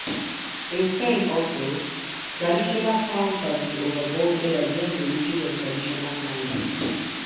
In Spain also, traditional climbs have been overbolted against the wishes of traditional climbers.